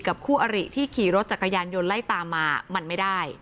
คู่อริที่ขี่รถจักรยานยนต์ไล่ตามมามันไม่ได้